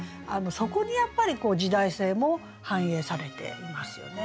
そこにやっぱり時代性も反映されていますよね。